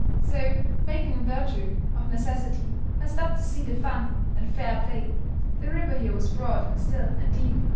So, making a virtue of necessity, I stopped to see the fun and fair play. The river here was broad, and still, and deep.